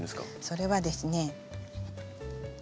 それはですね。